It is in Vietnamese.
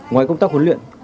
ngoài công tác huấn luyện